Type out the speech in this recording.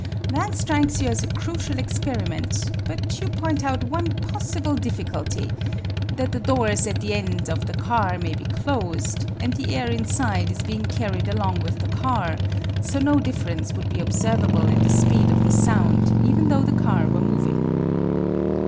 That strikes you as a crucial experi ment, but you point out one possible difficulty, that the doors at the ends of the car may be closed and the air inside is being carried along with the car, so no difference would be observable in the speed of the sound even though the car were moving.